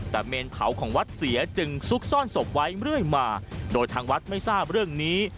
แต่เมนเผาของวัดเสียจึงซุกซ่อนศพไว้เรื่อยมาโดยทางวัดไม่ทราบเรื่องนี้